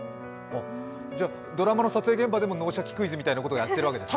じゃあドラマの撮影現場でも「脳シャキ！クイズ」みたいなことやってるんですね？